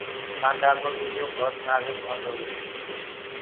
ڪآنڌآ ڪو ٻيجو ڀوت نآجُڪ هوندو هي۔